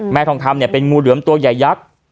ทองคำเนี่ยเป็นงูเหลือมตัวใหญ่ยักษ์